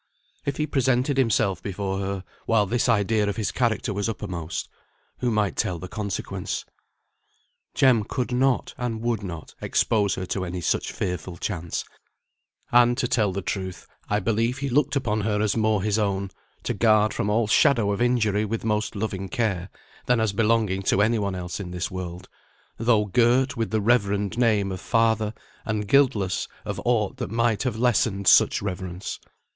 If he presented himself before her while this idea of his character was uppermost, who might tell the consequence? Jem could not, and would not, expose her to any such fearful chance: and to tell the truth, I believe he looked upon her as more his own, to guard from all shadow of injury with most loving care, than as belonging to any one else in this world, though girt with the reverend name of Father, and guiltless of aught that might have lessened such reverence.